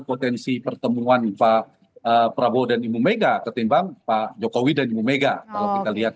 potensi pertemuan pak prabowo dan ibu mega ketimbang pak jokowi dan ibu mega kalau kita lihat